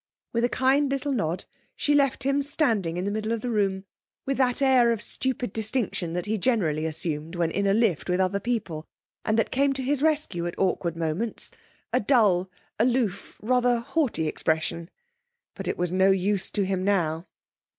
With a kind little nod she left him standing in the middle of the room with that air of stupid distinction that he generally assumed when in a lift with other people, and that came to his rescue at awkward moments a dull, aloof, rather haughty expression. But it was no use to him now.